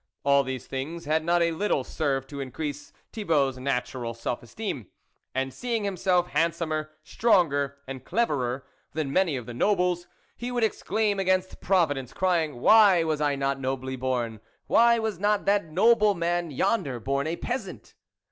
All these things had not a little served to increase Thibault's natural self esteem, and, seeing himself hand somer, stronger, and cleverer than many of the nobles, he would exclaim against Providence, crying, "Why was I not nobly born ? why was not that noble man yonder born a peasant?